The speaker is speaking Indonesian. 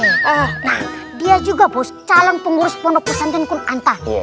nah dia juga bos calon pengurus pondok pesantren qurantah